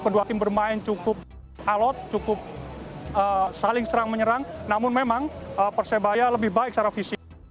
kedua tim bermain cukup alot cukup saling serang menyerang namun memang persebaya lebih baik secara fisik